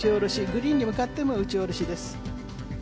グリーンに向かっても打ち下ろしです。